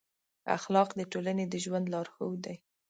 اخلاق د ټولنې د ژوند لارښود دي.